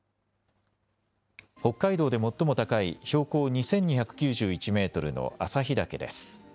北海道で最も高い標高２２９１メートルの旭岳です。